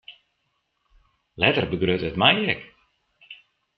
Letter begrutte it my ek.